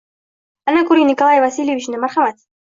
Ana, koʻring Nikolay Vasilyevichni. Marhamat!